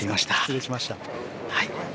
失礼しました。